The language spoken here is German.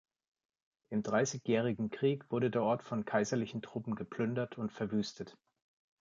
Im Dreißigjährigen Krieg wurde der Ort von kaiserlichen Truppen geplündert und verwüstet.